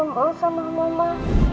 aku gak mau sama mama